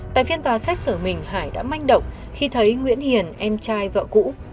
tại phiên tòa xét xử mình hải đã manh động khi thấy nguyễn hiền em trai vợ cũ